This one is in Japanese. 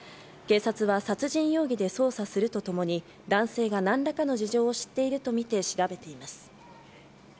警察は殺人容疑で捜査するとともに男性が何らかの事情を知っているとみて調べています。